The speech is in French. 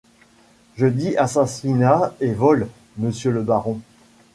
Je dis assassinat et vol, monsieur le baron.